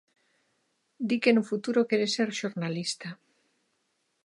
Di que no futuro quere ser xornalista.